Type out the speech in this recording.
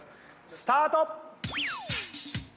スタート！